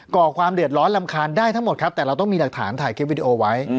ก่อความเดือดร้อนรำคาญได้ทั้งหมดครับแต่เราต้องมีหลักฐานถ่ายคลิปวิดีโอไว้